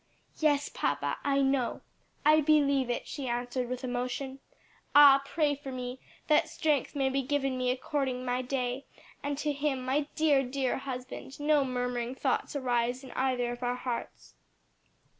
"Yes, papa, I know, I believe it," she answered with emotion. "Ah, pray for me, that strength may be given me according to my day: and to him, my dear, dear husband; no murmuring thoughts arise in either of our hearts."